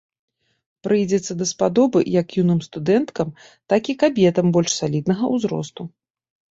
Прыйдзецца даспадобы як юным студэнткам, так і кабетам больш саліднага ўзросту.